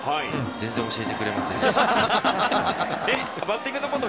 全然教えてくれませんでした。